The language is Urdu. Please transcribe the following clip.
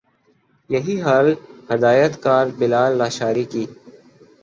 یہی حال ہدایت کار بلال لاشاری کی